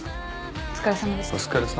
お疲れさまでした。